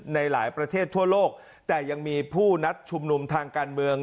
ในหลายประเทศทั่วโลกแต่ยังมีผู้นัดชุมนุมทางการเมือง